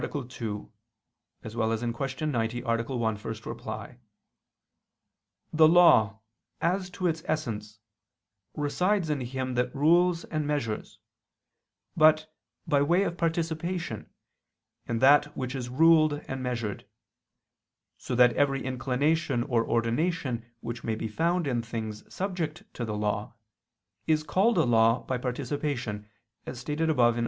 2; Q. 90, A. 1, ad 1), the law, as to its essence, resides in him that rules and measures; but, by way of participation, in that which is ruled and measured; so that every inclination or ordination which may be found in things subject to the law, is called a law by participation, as stated above (A.